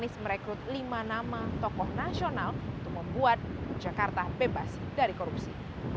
anies merekrut lima nama tokoh nasional untuk membuat jakarta bebas dari korupsi